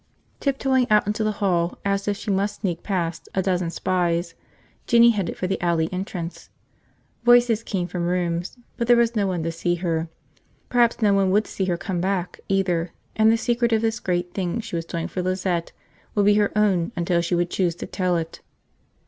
Tiptoeing out into the hall as if she must sneak past a dozen spies, Jinny headed for the alley entrance. Voices came from rooms, but there was no one to see her go. Perhaps no one would see her come back, either, and the secret of this great thing she was doing for Lizette would be her own until she would choose to tell it.